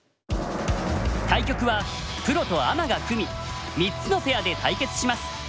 対局はプロとアマが組み３つのペアで対決します。